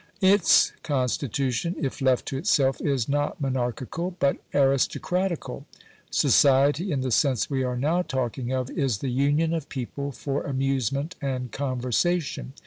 Its constitution, if left to itself, is not monarchical, but aristocratical. Society, in the sense we are now talking of, is the union of people for amusement and conversation.